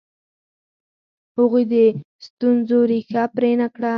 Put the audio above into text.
هغوی د ستونزو ریښه پرې نه کړه.